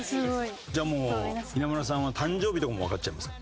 じゃあもう稲村さんは誕生日とかもわかっちゃいますか？